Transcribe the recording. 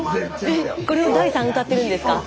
これを大さん歌ってるんですか？